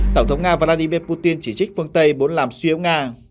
tổng thống nga vladimir putin chỉ trích phương tây bốn làm suy yếu nga